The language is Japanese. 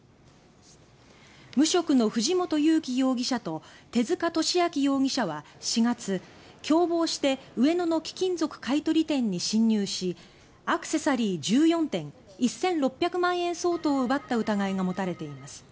無職の藤本勇気容疑者と手塚敏明容疑者は４月、共謀して上野の貴金属買取店に侵入しアクセサリー１４点１６００万円相当を奪った疑いが持たれています。